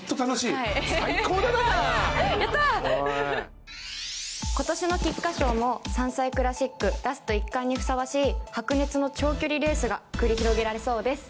おいやった今年の菊花賞も３歳クラシックラスト１回にふさわしい白熱の長距離レースが繰り広げられそうです